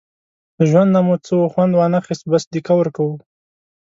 له ژوند نه مو څه وخوند وانخیست، بس دیکه ورکوو.